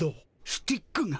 スティックが。